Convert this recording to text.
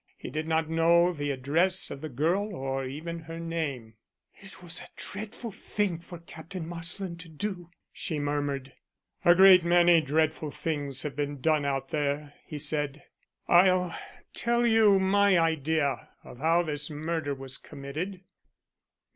He did not know the address of the girl or even her name." "It was a dreadful thing for Captain Marsland to do," she murmured. "A great many dreadful things have been done out there," he said. "I'll tell you my idea of how this murder was committed.